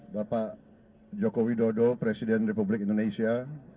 bapak joko widodo presiden republik indonesia